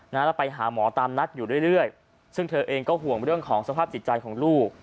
แล้วไปหาหมอตามนัดอยู่เรื่อยซึ่งเธอเองก็ห่วงเรื่องของสภาพจิตใจของลูก